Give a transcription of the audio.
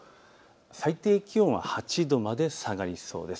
最低気温は８度まで下がりそうです。